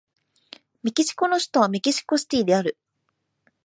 メキシコの首都はメキシコシティである